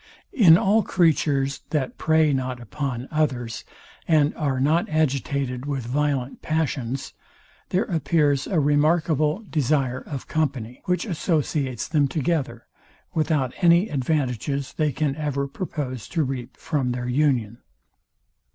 In all creatures, that prey not upon others, and are not agitated with violent passions, there appears a remarkable desire of company, which associates them together, without any advantages they can ever propose to reap from their union.